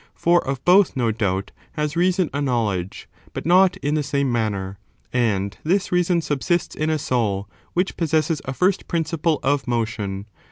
For of both, no doubt, has reason a knowledge, but not in the same manner ; and this reason subsists in a soul which possesses a first principle of motion.